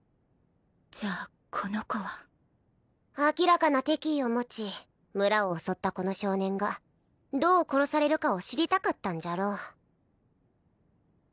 じゃあこの子は明らかな敵意を持ち村を襲ったこの少年がどう殺されるかを知りたかったんじゃろう